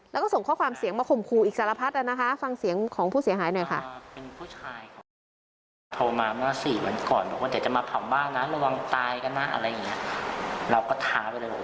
แล้วก็ส่งข้อความเสียงมาข่มขู่อีกสารพัดนะคะฟังเสียงของผู้เสียหายหน่อยค่ะ